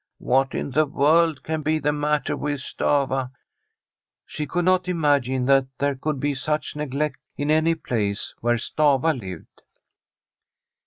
What in the world can be the matter with Stafva? ' She could not imagine that there could be such neglect in any place where Stafva lived.